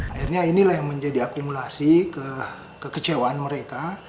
akhirnya inilah yang menjadi akumulasi kekecewaan mereka